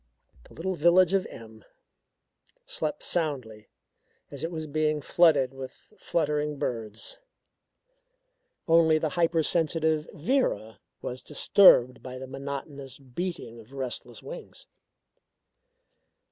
The little village of M slept soundly as it was being flooded with fluttering birds. Only the hypersensitive Vera was disturbed by the monotonous beating of restless wings.